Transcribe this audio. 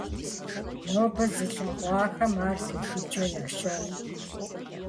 Ноби зылъагъухэм ар телъыджэ ящохъу.